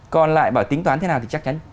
còn lại bảo tính toán thế nào thì chắc chắn